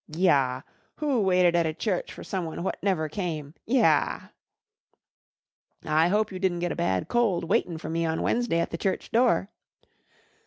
"Yah! Who waited at a church for someone what never came? Yah!" "I hope you didn't get a bad cold waitin' for me on Wednesday at the church door."